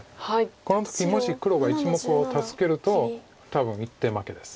この時もし黒が１目を助けると多分１手負けです